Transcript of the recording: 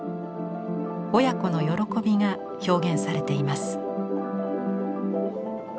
親子の喜びが表現されています。